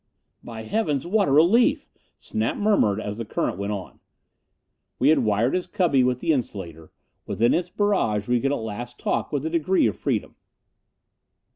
"By heavens, what a relief!" Snap murmured as the current went on. We had wired his cubby with the insulator; within its barrage we could at last talk with a degree of freedom.